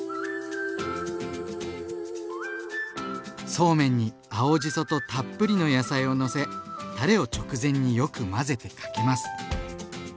そうめんに青じそとたっぷりの野菜をのせたれを直前によく混ぜてかけます。